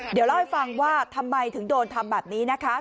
เดี๋ยวเล่าให้ฟังว่าทำไมถึงโดนทำแบบนี้นะคะ